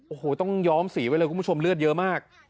โอ้โหต้องย้อมสีไว้เลยคุณผู้ชมเลือดเยอะมาก